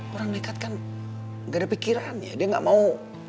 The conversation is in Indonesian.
orang nekat kan gak ada pikiran ya dia gak mau